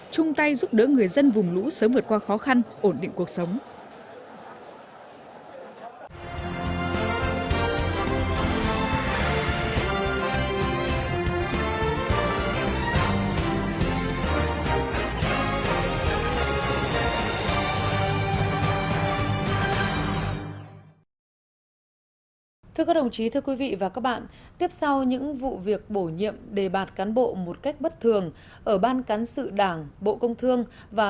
chung tay giúp đỡ người dân vùng lũ sớm vượt qua khó khăn ổn định cuộc sống